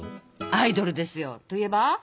アイドルですよ。といえば？